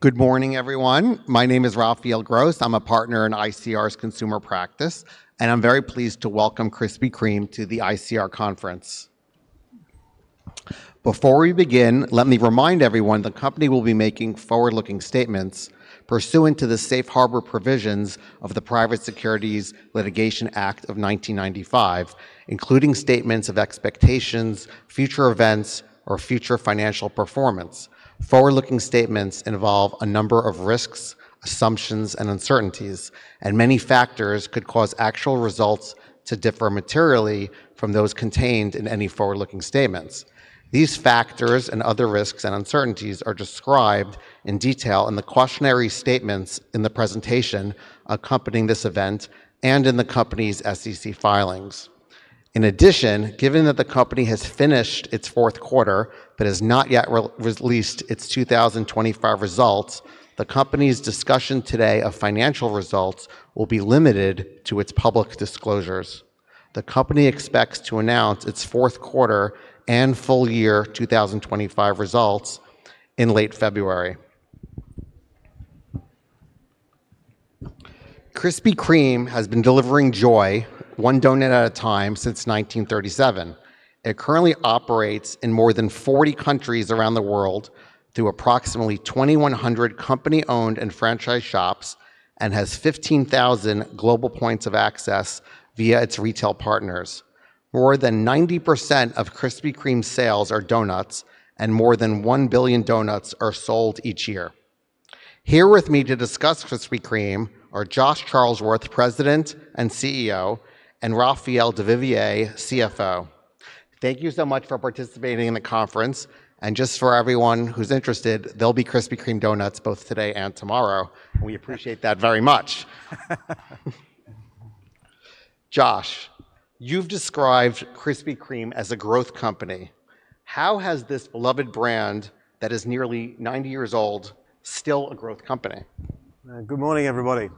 Good morning, everyone. My name is Raphael Gross. I'm a partner in ICR's consumer practice, and I'm very pleased to welcome Krispy Kreme to the ICR conference. Before we begin, let me remind everyone the company will be making forward-looking statements pursuant to the safe harbor provisions of the Private Securities Litigation Reform Act of 1995, including statements of expectations, future events, or future financial performance. Forward-looking statements involve a number of risks, assumptions, and uncertainties, and many factors could cause actual results to differ materially from those contained in any forward-looking statements. These factors and other risks and uncertainties are described in detail in the cautionary statements in the presentation accompanying this event and in the company's SEC filings. In addition, given that the company has finished its fourth quarter but has not yet released its 2025 results, the company's discussion today of financial results will be limited to its public disclosures. The company expects to announce its fourth quarter and full-year 2025 results in late February. Krispy Kreme has been delivering joy, one donut at a time, since 1937. It currently operates in more than 40 countries around the world through approximately 2,100 company-owned and franchise shops and has 15,000 global points of access via its retail partners. More than 90% of Krispy Kreme's sales are donuts, and more than 1 billion donuts are sold each year. Here with me to discuss Krispy Kreme are Josh Charlesworth, President and CEO, and Raphael Duvivier, CFO. Thank you so much for participating in the conference, and just for everyone who's interested, there'll be Krispy Kreme donuts both today and tomorrow. We appreciate that very much. Josh, you've described Krispy Kreme as a growth company. How has this beloved brand that is nearly 90 years old still a growth company? Good morning, everybody.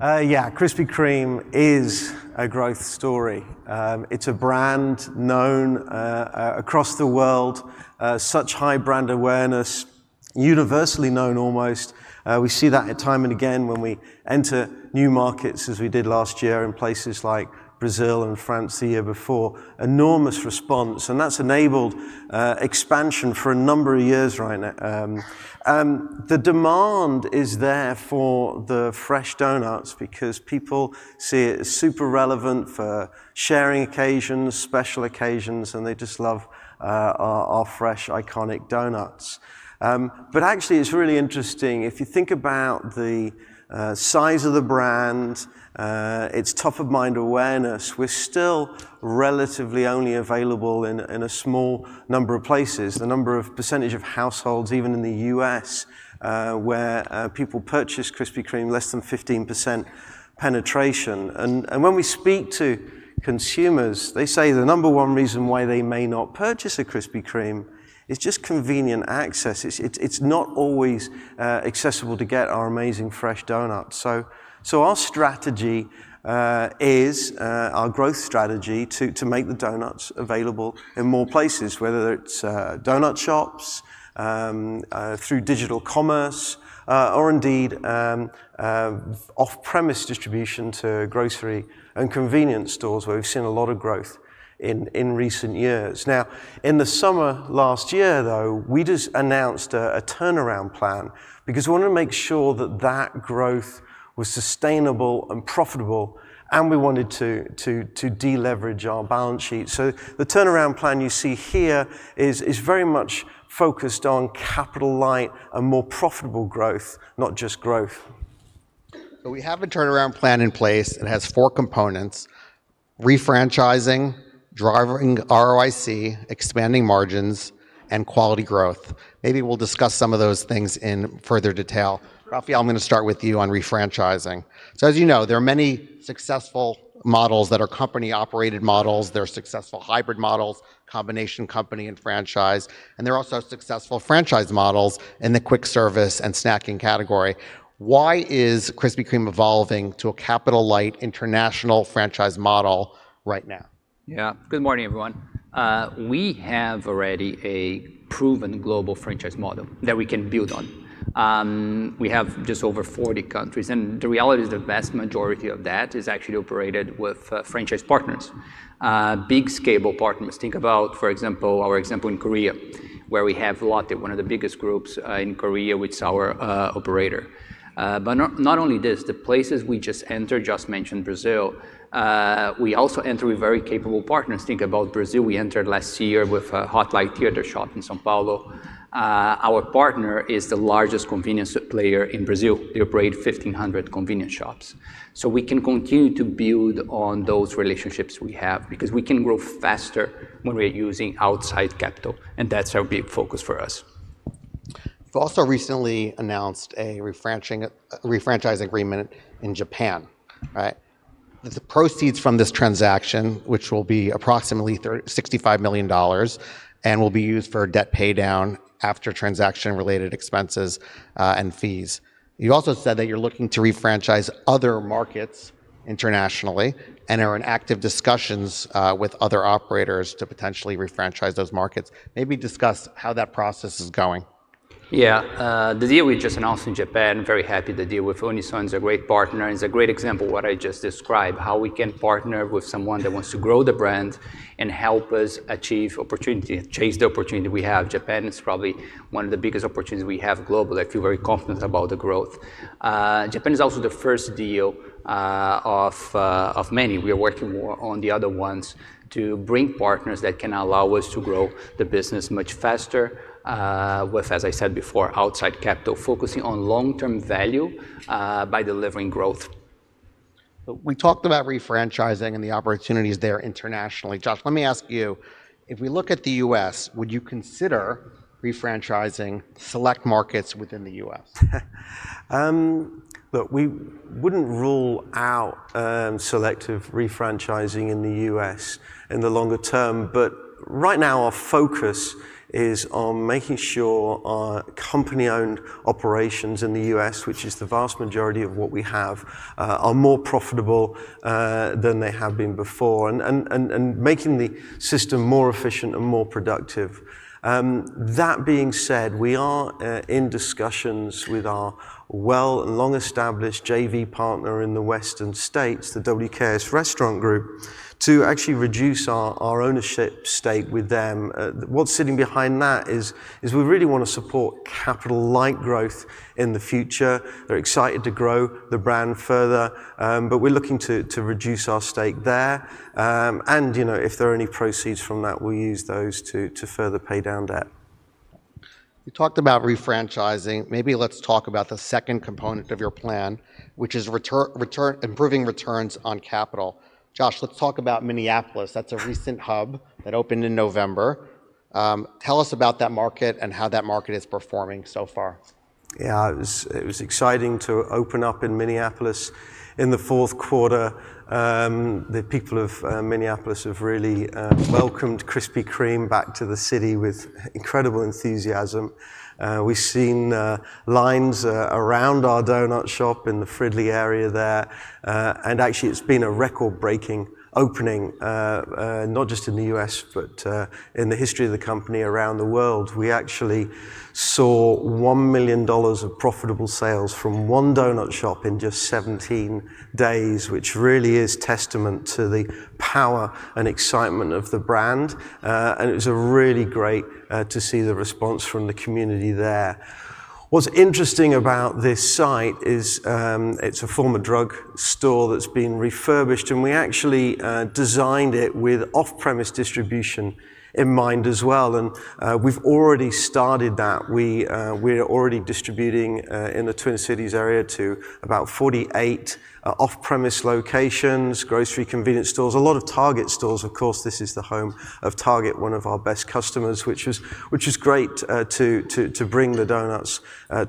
Yeah, Krispy Kreme is a growth story. It's a brand known across the world, such high brand awareness, universally known almost. We see that time and again when we enter new markets, as we did last year in places like Brazil and France the year before, enormous response. And that's enabled expansion for a number of years right now. The demand is there for the fresh donuts because people see it as super relevant for sharing occasions, special occasions, and they just love our fresh, iconic donuts. But actually, it's really interesting. If you think about the size of the brand, its top-of-mind awareness, we're still relatively only available in a small number of places. The number of percentage of households, even in the U.S., where people purchase Krispy Kreme, less than 15% penetration. When we speak to consumers, they say the number one reason why they may not purchase a Krispy Kreme is just convenient access. It's not always accessible to get our amazing fresh donuts. Our strategy is our growth strategy to make the donuts available in more places, whether it's donut shops, through digital commerce, or indeed off-premise distribution to grocery and convenience stores, where we've seen a lot of growth in recent years. Now, in the summer last year, though, we just announced a turnaround plan because we wanted to make sure that that growth was sustainable and profitable, and we wanted to deleverage our balance sheet. The turnaround plan you see here is very much focused on capital-light and more profitable growth, not just growth. So we have a turnaround plan in place. It has four components: refranchising, driving ROIC, expanding margins, and quality growth. Maybe we'll discuss some of those things in further detail. Raphael, I'm going to start with you on refranchising. So as you know, there are many successful models that are company-operated models. There are successful hybrid models, combination company and franchise. And there are also successful franchise models in the quick service and snacking category. Why is Krispy Kreme evolving to a capital-light international franchise model right now? Yeah, good morning, everyone. We have already a proven global franchise model that we can build on. We have just over 40 countries, and the reality is the vast majority of that is actually operated with franchise partners, big scalable partners. Think about, for example, our example in Korea, where we have Lotte, one of the biggest groups in Korea, which is our operator. But not only this, the places we just entered, just mentioned Brazil. We also enter with very capable partners. Think about Brazil. We entered last year with a hot light theater shop in São Paulo. Our partner is the largest convenience player in Brazil. They operate 1,500 convenience shops. So we can continue to build on those relationships we have because we can grow faster when we're using outside capital, and that's our big focus for us. You've also recently announced a refranchising agreement in Japan. The proceeds from this transaction, which will be approximately $65 million, will be used for debt paydown after transaction-related expenses and fees. You also said that you're looking to refranchise other markets internationally and are in active discussions with other operators to potentially refranchise those markets. Maybe discuss how that process is going. Yeah, the deal we just announced in Japan. Very happy with the deal with Unison. It's a great partner. It's a great example of what I just described, how we can partner with someone that wants to grow the brand and help us achieve opportunity, chase the opportunity we have. Japan is probably one of the biggest opportunities we have globally. I feel very confident about the growth. Japan is also the first deal of many. We are working on the other ones to bring partners that can allow us to grow the business much faster with, as I said before, outside capital, focusing on long-term value by delivering growth. We talked about refranchising and the opportunities there internationally. Josh, let me ask you, if we look at the U.S., would you consider refranchising select markets within the U.S.? Look, we wouldn't rule out selective refranchising in the U.S. in the longer term. But right now, our focus is on making sure our company-owned operations in the U.S., which is the vast majority of what we have, are more profitable than they have been before and making the system more efficient and more productive. That being said, we are in discussions with our well-established JV partner in the Western States, the WKS Restaurant Group, to actually reduce our ownership stake with them. What's sitting behind that is we really want to support capital-light growth in the future. They're excited to grow the brand further. But we're looking to reduce our stake there. And if there are any proceeds from that, we'll use those to further pay down debt. You talked about refranchising. Maybe let's talk about the second component of your plan, which is improving returns on capital. Josh, let's talk about Minneapolis. That's a recent hub that opened in November. Tell us about that market and how that market is performing so far. Yeah, it was exciting to open up in Minneapolis in the fourth quarter. The people of Minneapolis have really welcomed Krispy Kreme back to the city with incredible enthusiasm. We've seen lines around our donut shop in the Fridley area there. And actually, it's been a record-breaking opening, not just in the U.S., but in the history of the company around the world. We actually saw $1 million of profitable sales from one donut shop in just 17 days, which really is a testament to the power and excitement of the brand. And it was really great to see the response from the community there. What's interesting about this site is it's a former drug store that's been refurbished. And we actually designed it with off-premise distribution in mind as well. And we've already started that. We're already distributing in the Twin Cities area to about 48 off-premise locations, grocery convenience stores, a lot of Target stores. Of course, this is the home of Target, one of our best customers, which was great to bring the donuts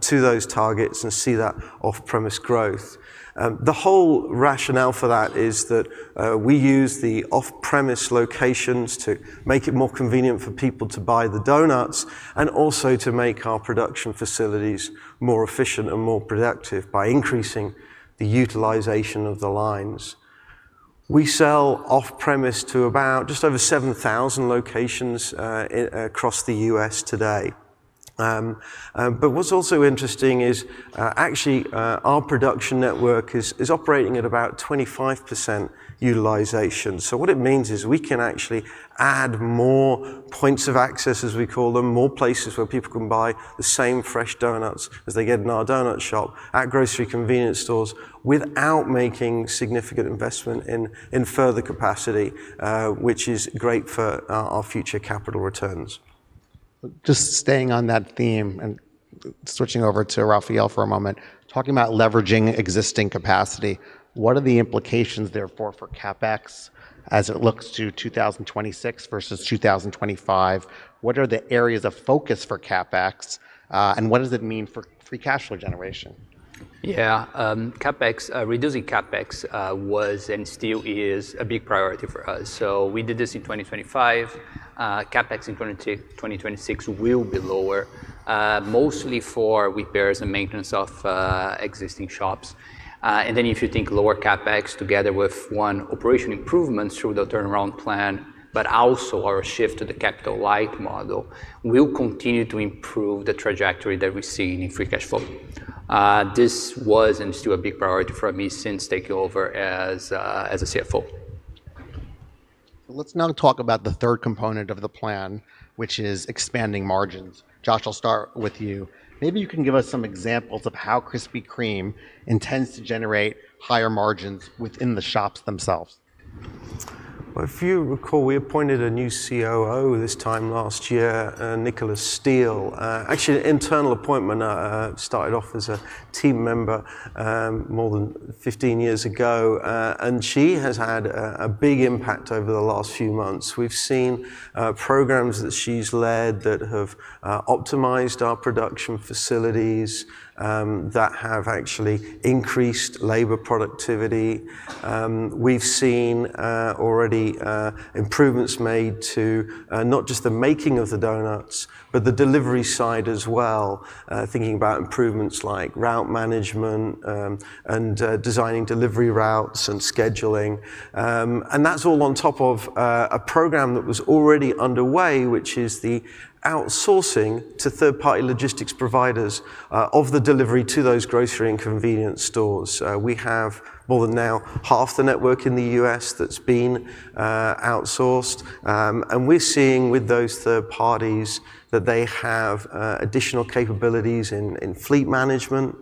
to those Targets and see that off-premise growth. The whole rationale for that is that we use the off-premise locations to make it more convenient for people to buy the donuts and also to make our production facilities more efficient and more productive by increasing the utilization of the lines. We sell off-premise to about just over 7,000 locations across the U.S. today. But what's also interesting is actually our production network is operating at about 25% utilization. So what it means is we can actually add more points of access, as we call them, more places where people can buy the same fresh donuts as they get in our donut shop at grocery convenience stores without making significant investment in further capacity, which is great for our future capital returns. Just staying on that theme and switching over to Raphael for a moment, talking about leveraging existing capacity, what are the implications therefore for CapEx as it looks to 2026 versus 2025? What are the areas of focus for CapEx? And what does it mean for free cash flow generation? Yeah, CapEx, reducing CapEx was and still is a big priority for us. So we did this in 2025. CapEx in 2026 will be lower, mostly for repairs and maintenance of existing shops, and then if you think lower CapEx together with ongoing operational improvement through the turnaround plan, but also our shift to the capital-light model, we'll continue to improve the trajectory that we're seeing in free cash flow. This was and is still a big priority for me since taking over as CFO. Let's now talk about the third component of the plan, which is expanding margins. Josh, I'll start with you. Maybe you can give us some examples of how Krispy Kreme intends to generate higher margins within the shops themselves? If you recall, we appointed a new COO this time last year, Nicola Steele. Actually, an internal appointment started off as a team member more than 15 years ago. She has had a big impact over the last few months. We've seen programs that she's led that have optimized our production facilities that have actually increased labor productivity. We've seen already improvements made to not just the making of the doughnuts, but the delivery side as well, thinking about improvements like route management and designing delivery routes and scheduling. That's all on top of a program that was already underway, which is the outsourcing to third-party logistics providers of the delivery to those grocery and convenience stores. We now have more than half the network in the U.S. that's been outsourced. We're seeing with those third parties that they have additional capabilities in fleet management.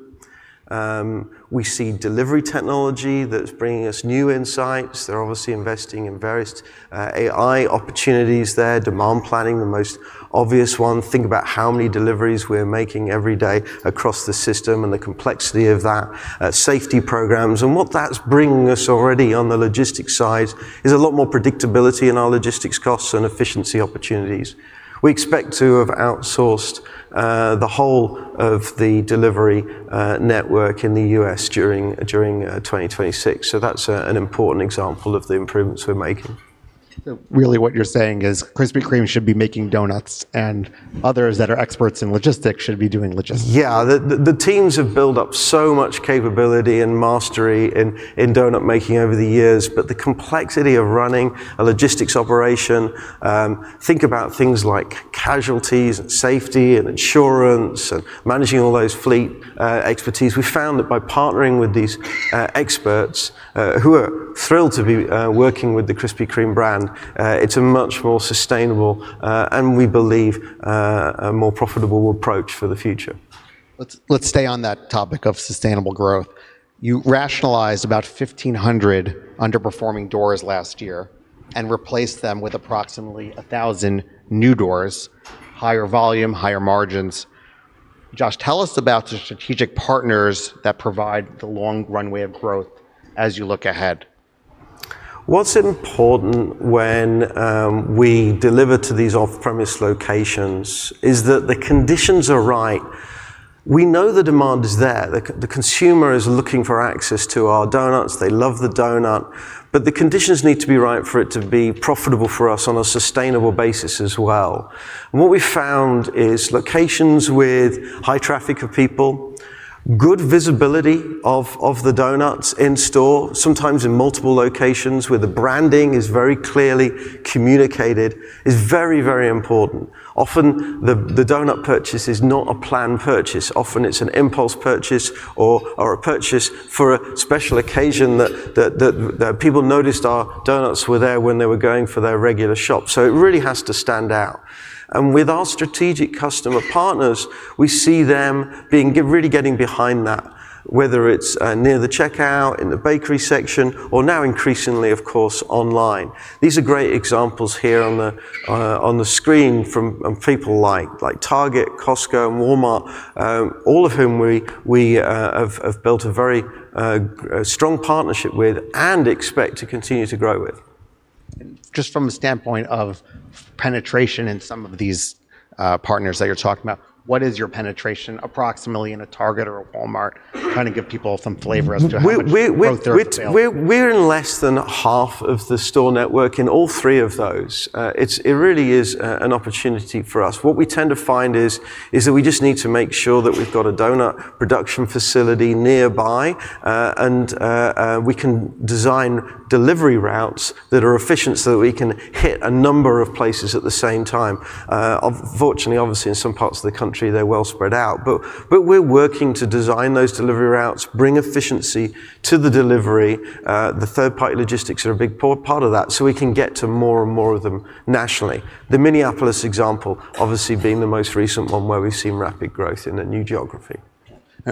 We see delivery technology that's bringing us new insights. They're obviously investing in various AI opportunities there, demand planning, the most obvious one. Think about how many deliveries we're making every day across the system and the complexity of that, safety programs and what that's bringing us already on the logistics side is a lot more predictability in our logistics costs and efficiency opportunities. We expect to have outsourced the whole of the delivery network in the U.S. during 2026, so that's an important example of the improvements we're making. Really, what you're saying is Krispy Kreme should be making donuts, and others that are experts in logistics should be doing logistics. Yeah, the teams have built up so much capability and mastery in doughnut making over the years. But the complexity of running a logistics operation, think about things like casualties and safety and insurance and managing all those fleet expertise. We found that by partnering with these experts, who are thrilled to be working with the Krispy Kreme brand, it's a much more sustainable and we believe a more profitable approach for the future. Let's stay on that topic of sustainable growth. You rationalized about 1,500 underperforming doors last year and replaced them with approximately 1,000 new doors, higher volume, higher margins. Josh, tell us about the strategic partners that provide the long runway of growth as you look ahead. What's important when we deliver to these off-premise locations is that the conditions are right. We know the demand is there. The consumer is looking for access to our donuts. They love the donut. But the conditions need to be right for it to be profitable for us on a sustainable basis as well. And what we found is locations with high traffic of people, good visibility of the donuts in store, sometimes in multiple locations where the branding is very clearly communicated, is very, very important. Often, the donut purchase is not a planned purchase. Often, it's an impulse purchase or a purchase for a special occasion that people noticed our donuts were there when they were going for their regular shop. So it really has to stand out. With our strategic customer partners, we see them really getting behind that, whether it's near the checkout, in the bakery section, or now increasingly, of course, online. These are great examples here on the screen from people like Target, Costco, and Walmart, all of whom we have built a very strong partnership with and expect to continue to grow with. Just from the standpoint of penetration in some of these partners that you're talking about, what is your penetration approximately in a Target or a Walmart? Trying to give people some flavor as to how their growth there. We're in less than half of the store network in all three of those. It really is an opportunity for us. What we tend to find is that we just need to make sure that we've got a donut production facility nearby, and we can design delivery routes that are efficient so that we can hit a number of places at the same time. Unfortunately, obviously, in some parts of the country, they're well spread out, but we're working to design those delivery routes, bring efficiency to the delivery. The third-party logistics are a big part of that so we can get to more and more of them nationally. The Minneapolis example, obviously, being the most recent one where we've seen rapid growth in a new geography.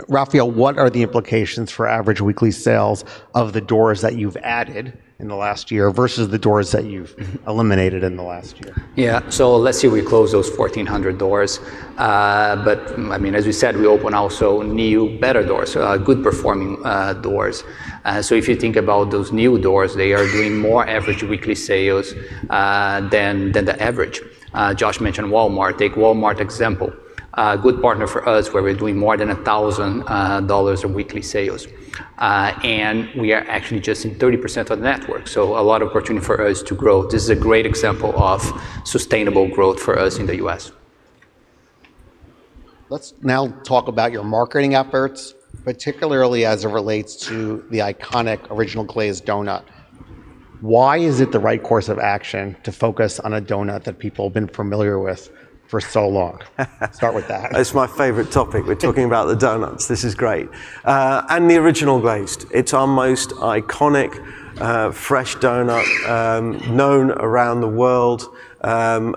Raphael, what are the implications for average weekly sales of the doors that you've added in the last year versus the doors that you've eliminated in the last year? Yeah, so let's see if we close those 1,400 doors. But I mean, as we said, we open also new, better doors, good-performing doors. So if you think about those new doors, they are doing more average weekly sales than the average. Josh mentioned Walmart. Take Walmart example. Good partner for us where we're doing more than $1,000 of weekly sales. And we are actually just in 30% of the network. So a lot of opportunity for us to grow. This is a great example of sustainable growth for us in the U.S. Let's now talk about your marketing efforts, particularly as it relates to the iconic Original Glazed doughnut. Why is it the right course of action to focus on a doughnut that people have been familiar with for so long? Start with that. It's my favorite topic. We're talking about the donuts. This is great. And the Original Glazed. It's our most iconic fresh donut known around the world and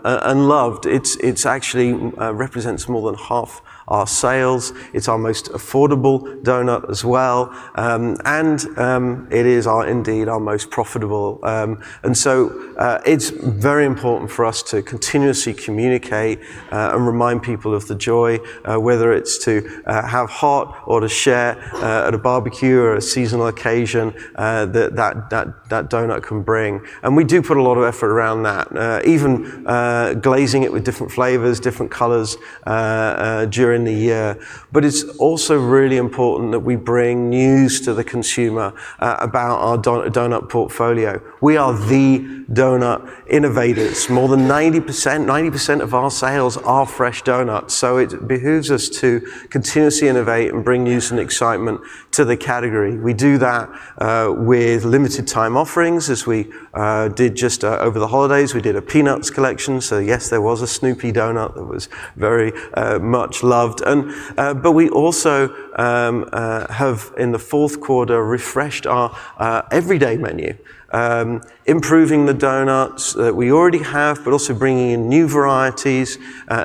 loved. It actually represents more than half our sales. It's our most affordable donut as well. And it is indeed our most profitable. And so it's very important for us to continuously communicate and remind people of the joy, whether it's to have heart or to share at a barbecue or a seasonal occasion that that donut can bring. And we do put a lot of effort around that, even glazing it with different flavors, different colors during the year. But it's also really important that we bring news to the consumer about our donut portfolio. We are the donut innovators. More than 90% of our sales are fresh donuts. So it behooves us to continuously innovate and bring newness and excitement to the category. We do that with limited-time offerings, as we did just over the holidays. We did a Peanuts Collection. So yes, there was a Snoopy Donut that was very much loved. But we also have, in the fourth quarter, refreshed our everyday menu, improving the donuts that we already have, but also bringing in new varieties,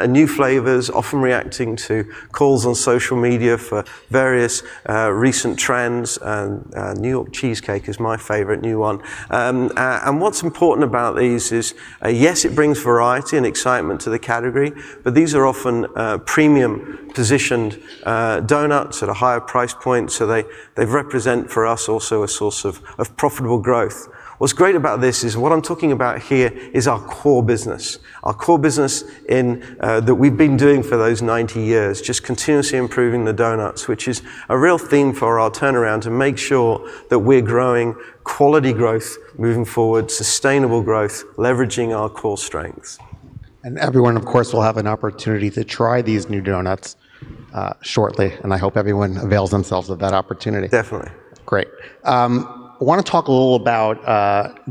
new flavors, often reacting to calls on social media for various recent trends. New York Cheesecake is my favorite new one. And what's important about these is, yes, it brings variety and excitement to the category. But these are often premium-positioned donuts at a higher price point. So they represent for us also a source of profitable growth. What's great about this is what I'm talking about here is our core business, our core business that we've been doing for those 90 years, just continuously improving the doughnuts, which is a real theme for our turnaround to make sure that we're growing quality growth moving forward, sustainable growth, leveraging our core strengths. Everyone, of course, will have an opportunity to try these new doughnuts shortly. I hope everyone avails themselves of that opportunity. Definitely. Great. I want to talk a little about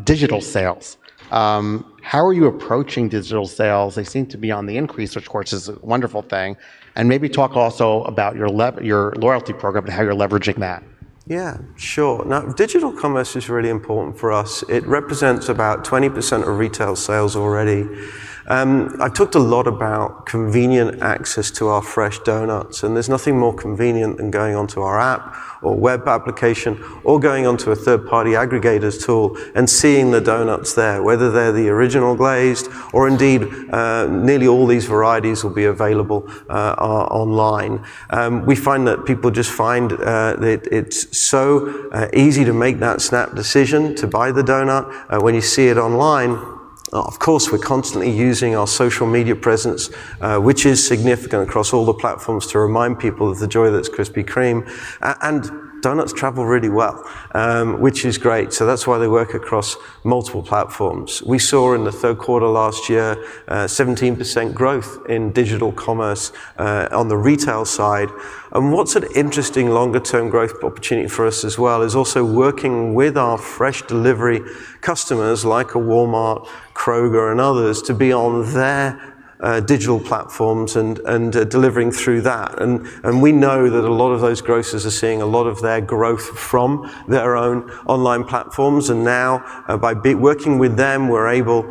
digital sales. How are you approaching digital sales? They seem to be on the increase, which, of course, is a wonderful thing. And maybe talk also about your loyalty program and how you're leveraging that. Yeah, sure. Now, digital commerce is really important for us. It represents about 20% of retail sales already. I've talked a lot about convenient access to our fresh donuts. And there's nothing more convenient than going onto our app or web application or going onto a third-party aggregators tool and seeing the donuts there, whether they're the Original Glazed or indeed nearly all these varieties will be available online. We find that people just find that it's so easy to make that snap decision to buy the donut when you see it online. Of course, we're constantly using our social media presence, which is significant across all the platforms to remind people of the joy that's Krispy Kreme. And donuts travel really well, which is great. So that's why they work across multiple platforms. We saw in the third quarter last year 17% growth in digital commerce on the retail side. And what's an interesting longer-term growth opportunity for us as well is also working with our fresh delivery customers like a Walmart, Kroger, and others to be on their digital platforms and delivering through that. And we know that a lot of those grocers are seeing a lot of their growth from their own online platforms. And now, by working with them, we're able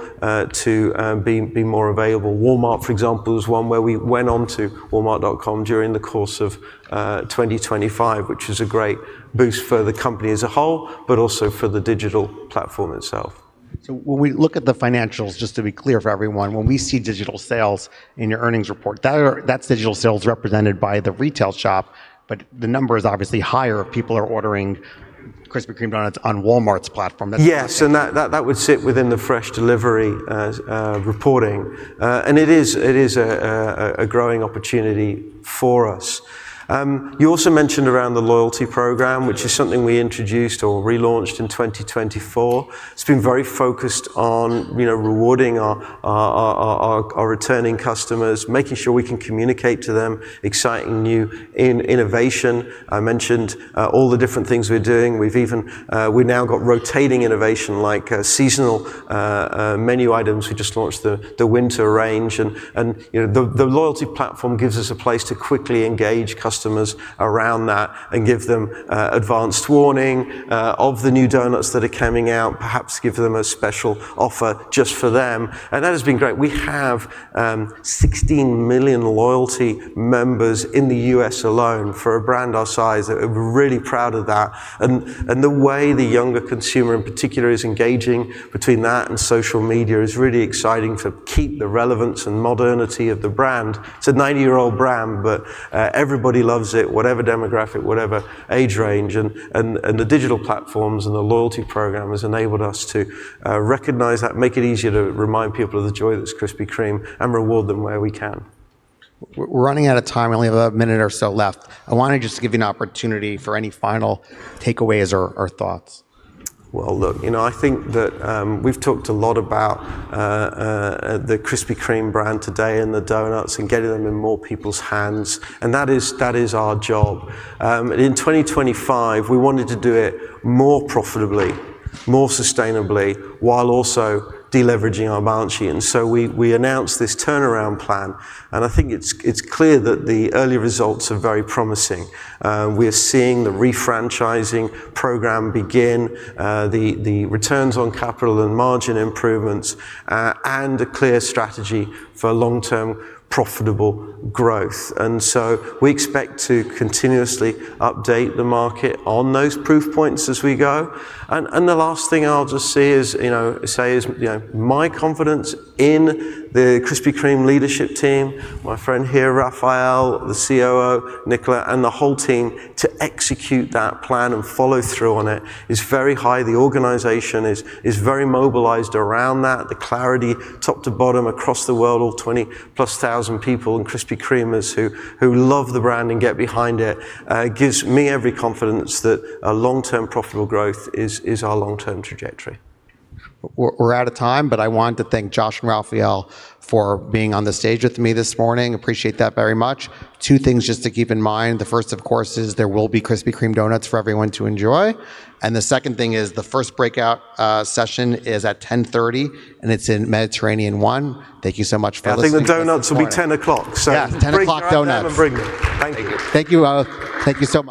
to be more available. Walmart, for example, is one where we went onto Walmart.com during the course of 2025, which is a great boost for the company as a whole, but also for the digital platform itself. So when we look at the financials, just to be clear for everyone, when we see digital sales in your earnings report, that's digital sales represented by the retail shop. But the number is obviously higher if people are ordering Krispy Kreme donuts on Walmart's platform. Yes. And that would sit within the fresh delivery reporting. And it is a growing opportunity for us. You also mentioned around the loyalty program, which is something we introduced or relaunched in 2024. It's been very focused on rewarding our returning customers, making sure we can communicate to them, exciting new innovation. I mentioned all the different things we're doing. We've even now got rotating innovation like seasonal menu items. We just launched the winter range. And the loyalty platform gives us a place to quickly engage customers around that and give them advanced warning of the new donuts that are coming out, perhaps give them a special offer just for them. And that has been great. We have 16 million loyalty members in the U.S. alone for a brand our size. We're really proud of that. And the way the younger consumer, in particular, is engaging between that and social media is really exciting to keep the relevance and modernity of the brand. It's a 90-year-old brand, but everybody loves it, whatever demographic, whatever age range. And the digital platforms and the loyalty program has enabled us to recognize that, make it easier to remind people of the joy that's Krispy Kreme, and reward them where we can. We're running out of time. We only have about a minute or so left. I wanted just to give you an opportunity for any final takeaways or thoughts. Look, you know, I think that we've talked a lot about the Krispy Kreme brand today and the donuts and getting them in more people's hands. That is our job. In 2025, we wanted to do it more profitably, more sustainably, while also deleveraging our balance sheet. We announced this turnaround plan. I think it's clear that the early results are very promising. We are seeing the refranchising program begin, the returns on capital and margin improvements, and a clear strategy for long-term profitable growth. We expect to continuously update the market on those proof points as we go. The last thing I'll just say is my confidence in the Krispy Kreme leadership team, my friend here, Raphael, the COO, Nicola, and the whole team to execute that plan and follow through on it is very high. The organization is very mobilized around that. The clarity, top to bottom, across the world, all 20,000 plus people and Krispy Kremers who love the brand and get behind it gives me every confidence that long-term profitable growth is our long-term trajectory. We're out of time, but I wanted to thank Josh and Raphael for being on the stage with me this morning. Appreciate that very much. Two things just to keep in mind. The first, of course, is there will be Krispy Kreme donuts for everyone to enjoy. And the second thing is the first breakout session is at 10:30 A.M., and it's in Mediterranean One. Thank you so much for listening. I think the donuts will be 10 o'clock. Yeah, 10 o'clock donuts. Bring them. Thank you. Thank you.